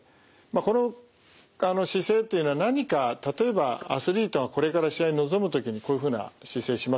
この姿勢というのは何か例えばアスリートがこれから試合に臨む時にこういうふうな姿勢しますよね。